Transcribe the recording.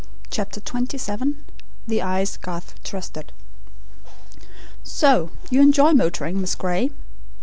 CHAPTER XXVII THE EYES GARTH TRUSTED "So you enjoy motoring, Miss Gray?"